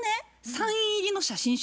サイン入りの写真集。